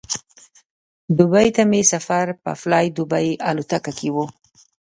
دوبۍ ته مې سفر په فلای دوبۍ الوتکه کې و.